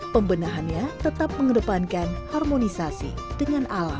pembenahannya tetap mengedepankan harmonisasi dengan alam